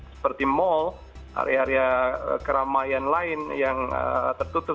seperti mal area area keramaian lain yang tertutup